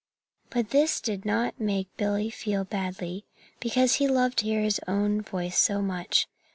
But this did not make Billy feel badly, because he loved to hear his own voice so much.